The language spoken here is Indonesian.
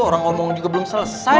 orang ngomong juga belum selesai